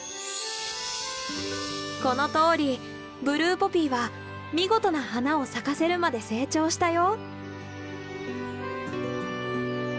このとおりブルーポピーは見事な花を咲かせるまで成長したよ。